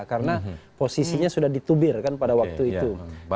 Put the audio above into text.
karena posisinya sudah ditubirkan pada waktu itu